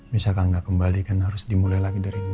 misalkan gak kembali kan harus dimulai lagi dari nol